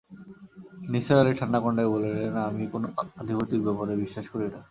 নিসার আলি ঠাণ্ডা গলায় বললেন, আমি কোনো আধিভৌতিক ব্যাপারে বিশ্বাস করি না।